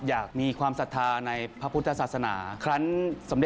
อยากมีความศรัทธาในพระพุทธศาสนา